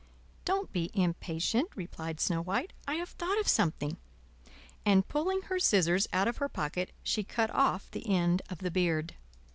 "Don't be impatient," replied Snow White; "I have thought of something;" and pulling her scissors out of her pocket she cut off the end of the beard.